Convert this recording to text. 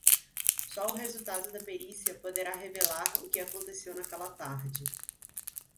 Só o resultado da perícia poderá revelar o que aconteceu naquela tarde